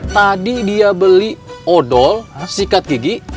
tadi dia beli odol sikat gigi